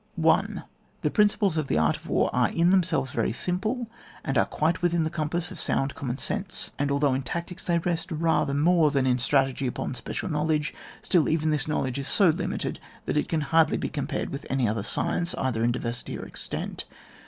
1. The principles of the art of war are in themselves very simple, and are quite within the compass of sound, common sense ; and although in tactics they rest rather more than in stra ""gy upon special knowledge, still even this knowledge is so limited, that it can hardly be compared with any other sci ence, either in diversity or extent.